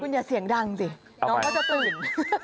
อย่าเสียงดังสิน้องเขาจะตื่น